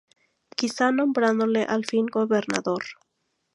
Quizá nombrándole al fin Gobernador.